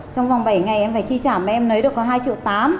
trong vòng bảy ngày em phải chi trả mà em lấy được có hai triệu tám